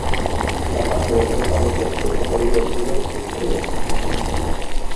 La part dreta està més desfeta per obertures posteriors.